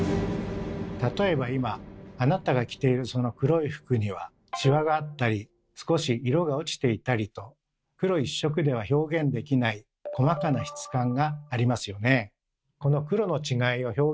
例えば今あなたが着ているその黒い服にはシワがあったり少し色が落ちていたりと黒一色では表現できない細かな質感がありますよね。